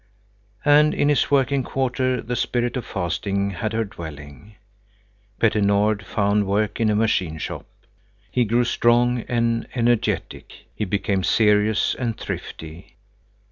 And in its working quarter the Spirit of Fasting had her dwelling. Petter Nord found work in a machine shop. He grew strong and energetic. He became serious and thrifty.